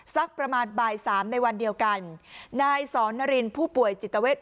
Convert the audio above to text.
สักประมาณบ่ายสามในวันเดียวกันนายสอนนารินผู้ป่วยจิตเวท